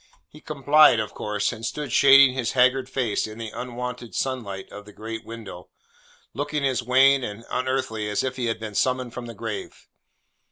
He complied of course, and stood shading his haggard face in the unwonted sunlight of the great window, looking as wan and unearthly as if he had been summoned from the grave.